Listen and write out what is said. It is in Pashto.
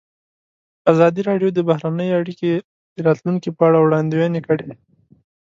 ازادي راډیو د بهرنۍ اړیکې د راتلونکې په اړه وړاندوینې کړې.